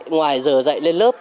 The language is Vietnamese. ngoài giờ dạy lên lớp